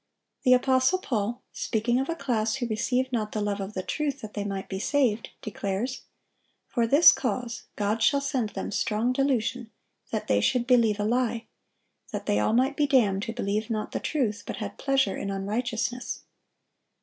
The apostle Paul, speaking of a class who "received not the love of the truth, that they might be saved," declares, "For this cause God shall send them strong delusion, that they should believe a lie: that they all might be damned who believed not the truth, but had pleasure in unrighteousness."